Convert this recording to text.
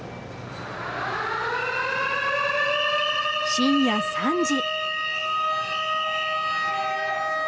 深夜３時。